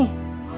kalau kamu tetap